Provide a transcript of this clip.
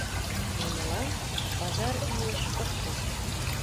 Нунылан пазар илыш ок кӱл...